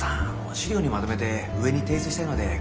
資料にまとめて上に提出したいので詳しく。